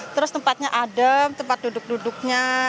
terus tempatnya adem tempat duduk duduknya